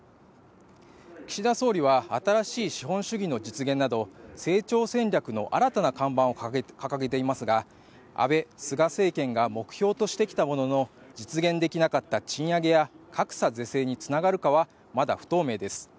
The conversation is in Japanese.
岸田総理は新しい資本主義の実現など成長戦略の新たな看板を掲げていますが、安倍・菅政権が目標としてきたものの実現できなかった賃上げや格差是正につながるかは、まだ不透明です。